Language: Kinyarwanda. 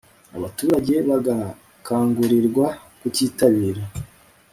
abaturage bagakangurirwa kucyitabira